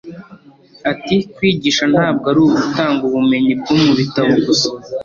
Ati “Kwigisha ntabwo ari ugutanga ubumenyi bwo mu bitabo gusa